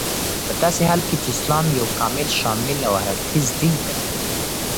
پداسي حال كې چې اسلام يو كامل، شامل او هر اړخيز دين دى